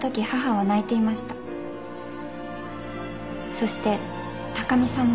そして高見さんも。